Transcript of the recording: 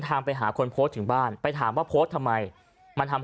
ทางไปหาคนโพสต์ถึงบ้านไปถามว่าโพสต์ทำไมมันทำ